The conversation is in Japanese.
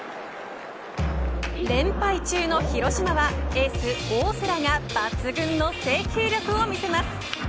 連敗中の広島はエース大瀬良が抜群の制球力を見せます。